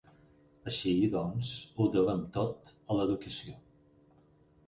Així, doncs, ho devem tot a l'educació.